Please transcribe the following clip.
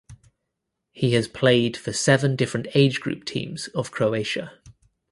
He has played for seven different age group teams of Croatia.